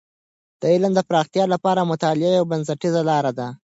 د علم د پراختیا لپاره مطالعه یوه بنسټیزه لاره ده.